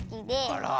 あら！